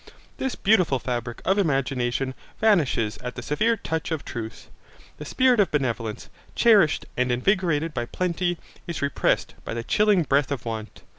This beautiful fabric of imagination vanishes at the severe touch of truth. The spirit of benevolence, cherished and invigorated by plenty, is repressed by the chilling breath of want.